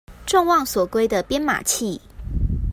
眾望所歸的編碼器